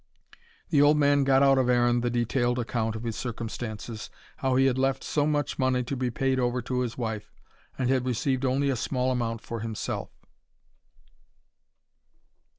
The old man got out of Aaron the detailed account of his circumstances how he had left so much money to be paid over to his wife, and had received only a small amount for himself.